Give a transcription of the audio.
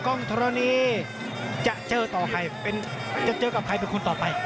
ก้องทรณีจะเจอกับใครเป็นคนต่อไป